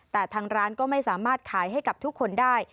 แต่ทางร้านก็ไม่สามารถขายให้กับทุกคนได้